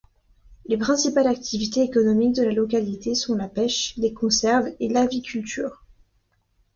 Les principales activités économiques de la localité sont la pêche, les conserves et l'aviculture.